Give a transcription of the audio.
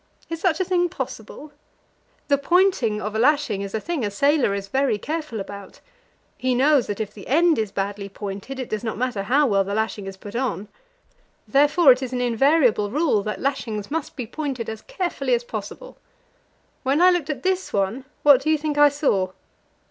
Is such a thing possible? The pointing of a lashing is a thing a sailor is very careful about. He knows that if the end is badly pointed, it does not matter how well the lashing is put on; therefore it is an invariable rule that lashings must be pointed as carefully as possible. When I looked at this one, what do you think I saw?